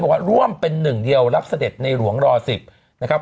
ว่าร่วมเป็นหนึ่งเดียวรับเสด็จในหลวงรอ๑๐นะครับ